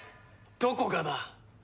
どこがだ！